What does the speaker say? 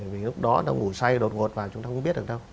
vì lúc đó nó ngủ say đột ngột vào chúng ta không biết được đâu